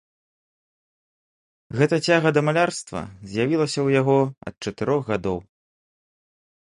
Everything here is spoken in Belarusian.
Гэта цяга да малярства з'явілася ў яго ад чатырох гадоў.